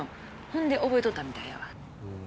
ほんで覚えとったみたいやわ。